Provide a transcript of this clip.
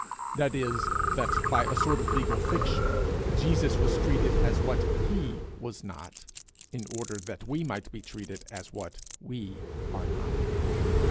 That is, that, by a sort of legal fiction, Jesus was treated as what he was not, in order that we might be treated as what we are not.